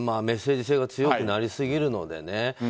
メッセージ性が強くなりすぎるのでね。